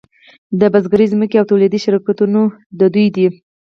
د بزګرۍ ځمکې او تولیدي شرکتونه د دوی دي